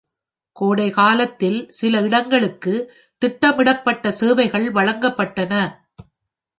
கோடைகாலத்தில் சில இடங்களுக்கு திட்டமிடப்பட்ட சேவைகள் வழங்கப்பட்டன.